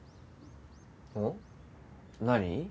何？